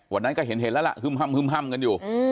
วันนั้นก็เห็นแล้วล่ะฮึ่มกันอยู่